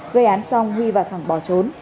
gây án xong huy và thẳng bỏ trốn